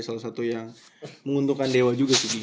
salah satu yang menguntungkan dewa juga sih